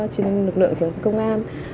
chính lực lượng chiến sĩ công an